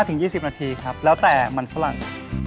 ถึง๒๐นาทีครับแล้วแต่มันฝรั่ง